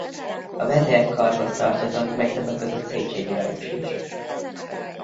A vezérkarhoz tartozott még többek között Széchenyi Lajos is.